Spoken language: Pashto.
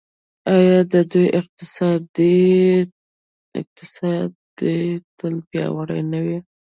آیا د دوی اقتصاد دې تل پیاوړی نه وي؟